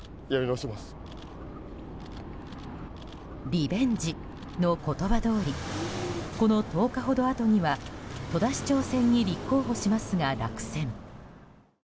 リベンジの言葉どおりこの１０日ほどあとには戸田市長選に立候補しますが落選。